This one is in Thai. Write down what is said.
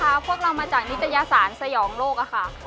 ขอโทษนะคะพวกเรามาจากนิตยาศาลสยองโลกอะค่ะ